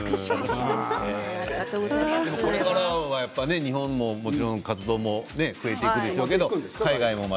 これからは日本でももちろん活動が増えていくでしょうけど海外も。